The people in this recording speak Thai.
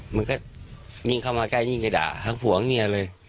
มันก็ยิงเข้ามาใกล้ยิงก็ด่าทั้งหัวข้างเนี่ยเลย